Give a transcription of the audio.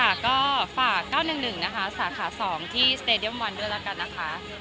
ค่ะก็ฝากเก้าหนึ่งหนึ่งนะคะสาขาสองที่สเตเดียมวันด้วยล่ะกันนะคะ